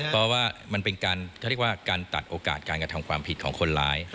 เพราะว่ามันเป็นการเขาเรียกว่าการตัดโอกาสการกระทำความผิดของคนร้าย